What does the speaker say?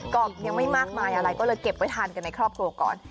ก็ยังไม่มากมายอะไรก็เลยเก็บไว้ทานกันในครอบครัวก่อน